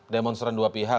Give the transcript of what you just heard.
demonstrasi dua pihak